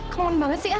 keren banget sih ya